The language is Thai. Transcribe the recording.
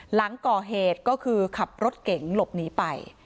หลังก่อเหตุก็คือขับรถเก๋งหลบหนีไป